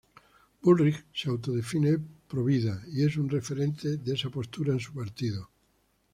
Bullrich se autodefine provida y es un referente de esa postura en su partido.